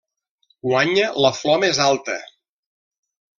Guanya la flor més alta.